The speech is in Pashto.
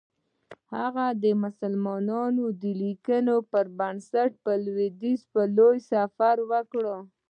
هغه د مسلمانانو د لیکنو پر بنسټ لویدیځ پر لور سفر وکړ.